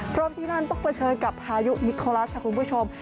เพราะที่นั่นต้องเผชิญกับพายุมิโคลัสค่ะคุณผู้ชม